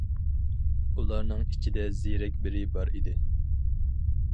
ئۇلارنىڭ ئىچىدە زېرەك بىرى بار ئىدى.